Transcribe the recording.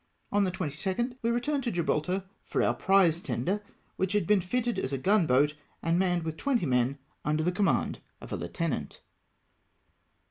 On the 22nd we returned to Gibraltar for om prize tender, which had been fitted as a gunboat, and manned with twenty men, under the command of a heutenant.